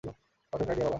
Perfect idea, বাবা।